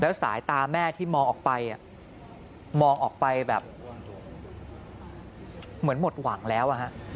สายตาแม่ที่มองออกไปมองออกไปแบบเหมือนหมดหวังแล้ว